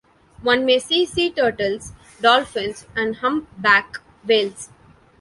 One may see sea turtles, dolphins and humpback whales.